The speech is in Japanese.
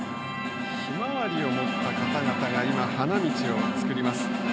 ひまわりを持った方々が花道を作りました。